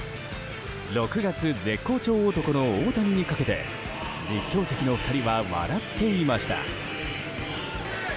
６月絶好調男の大谷にかけて実況席の２人は笑っていました。